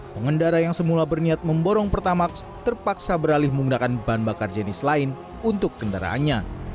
pengendara yang semula berniat memborong pertamax terpaksa beralih menggunakan bahan bakar jenis lain untuk kendaraannya